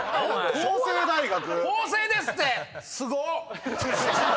法政ですって！